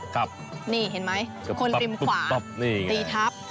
ครับนี่เห็นไหมคนริมขวาตีทัพ